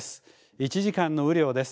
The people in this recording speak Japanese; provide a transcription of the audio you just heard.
１時間の雨量です。